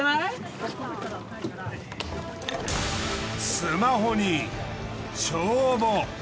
スマホに帳簿。